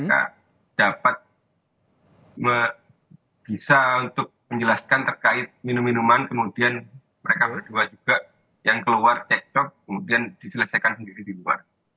mereka dapat bisa untuk menjelaskan terkait minum minuman kemudian mereka berdua juga yang keluar cek cok kemudian diselesaikan sendiri di luar